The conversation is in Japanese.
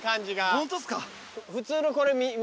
ホントっすか？